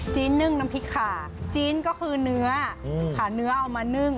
นึ่งน้ำพริกขาจีนก็คือเนื้อขาเนื้อเอามานึ่ง